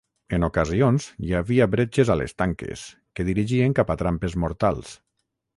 En ocasions hi havia bretxes a les tanques, que dirigien cap a trampes mortals.